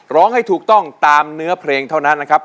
ร้องให้ถูกต้องตามเนื้อเพลงเท่านั้นนะครับ